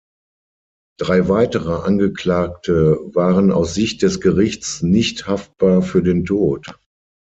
Drei weitere Angeklagte waren aus Sicht des Gerichts nicht haftbar für den Tod.